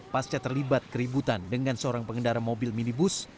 pasca terlibat keributan dengan seorang pengendara mobil minibus